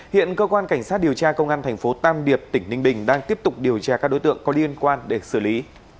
hiện cơ quan cảnh sát điều tra công an thành phố tam điệp tỉnh ninh bình đang tiếp tục điều tra các đối tượng có liên quan để xử lý